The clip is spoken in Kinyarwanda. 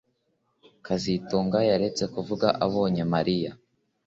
kazitunga yaretse kuvuga abonye Mariya